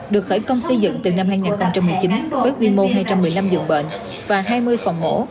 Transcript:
được khởi công xây dựng từ năm hai nghìn một mươi chín với quy mô hai trăm một mươi năm giường bệnh và hai mươi phòng mổ